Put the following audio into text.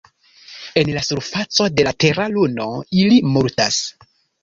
En la surfaco de la Tera Luno ili multas.